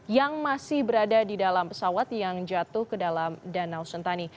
yang masih berada di dalam pesawat yang jatuh ke dalam danau sentani